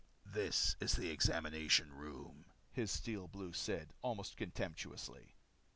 "This is the examination room," his Steel Blue said, almost contemptuously.